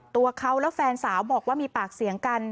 ตัวเขาและแฟนสาวบอกว่ามีปากเสียงกัน